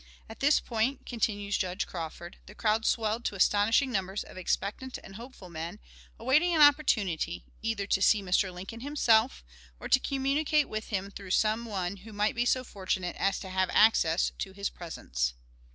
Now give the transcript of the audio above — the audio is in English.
At this point," continues Judge Crawford, "the crowd swelled to astonishing numbers of expectant and hopeful men, awaiting an opportunity, either to see Mr. Lincoln himself, or to communicate with him through some one who might be so fortunate as to have access to his presence."